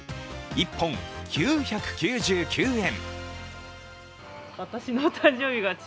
１本９９９円。